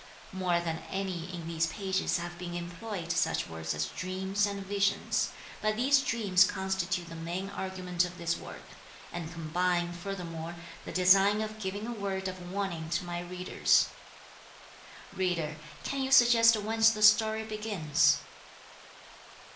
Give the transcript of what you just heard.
More than any in these pages have been employed such words as dreams and visions; but these dreams constitute the main argument of this work, and combine, furthermore, the design of giving a word of warning to my readers. Reader, can you suggest whence the story begins?